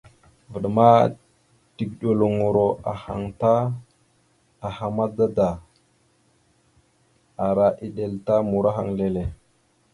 Vvaɗ ma tigəɗeluŋoro ahaŋ ala aha ta mada da ara eɗel ta murahaŋ leele.